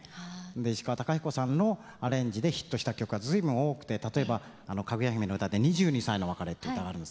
石川鷹彦さんのアレンジでヒットした曲は随分多くて例えばかぐや姫の歌で「２２才の別れ」っていう歌があるんです。